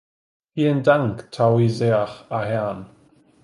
Vielen Dank, Taoiseach Ahern.